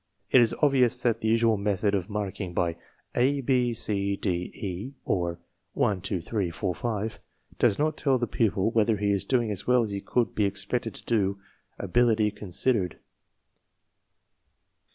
It is obvious that the usual method of marking by A, B, C, D, E (or 1, 2, 3, 4, 5) does not tell the pupil whether he is doing as well as he could be expected to do, ability considered.